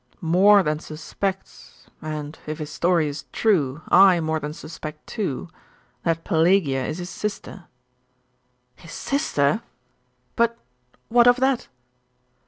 'More than suspects and if his story is true, I more than suspect too that Pelagia is his sister.' 'His sister! But what of that?